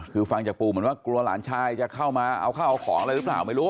คือฟังจากปู่เหมือนว่ากลัวหลานชายจะเข้ามาเอาข้าวเอาของอะไรหรือเปล่าไม่รู้